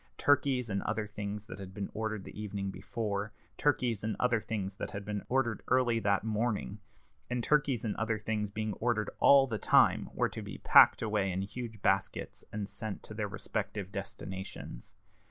Turkeys and other things that had been ordered the evening before, turkeys and other things that had been ordered early that morning, and turkeys and other things being ordered all the time, were to be packed away in huge baskets, and sent to their respective destinations.